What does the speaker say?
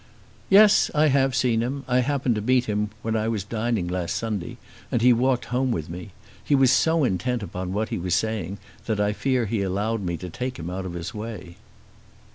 "Yes; I have seen him. I happened to meet him where I was dining last Sunday, and he walked home with me. He was so intent upon what he was saying that I fear he allowed me to take him out of his way."